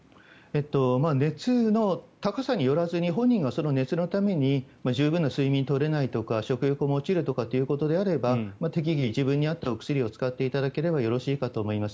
熱の高さによらずに本人がその熱によって十分な睡眠が取れないとか食事が取れないという場合は適宜、自分に合ったお薬を使っていただければと思います。